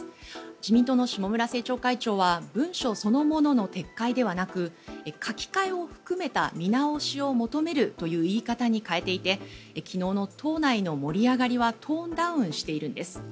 自民党の下村政調会長は文書そのものの撤回ではなく書き換えを含めた見直しを求めるという言い方に変えていて昨日の党内の盛り上がりはトーンダウンしているんです。